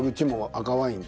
赤ワイン。